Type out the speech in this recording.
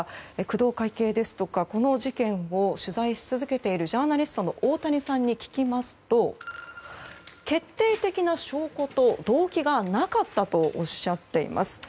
工藤会系ですとかこの事件を取材し続けているジャーナリストの大谷さんに聞きますと決定的な証拠と動機がなかったとおっしゃっています。